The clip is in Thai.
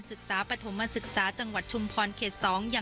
และก็ไม่ได้ยัดเยียดให้ทางครูส้มเซ็นสัญญา